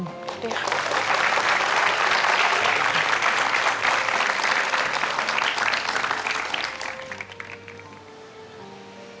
สวัสดีครับ